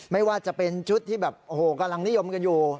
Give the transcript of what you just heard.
ไม่ว่าจะเป็นชุดที่แบบโอ้โหกำลังนิยมกันอยู่